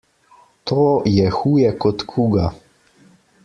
To je huje kot kuga.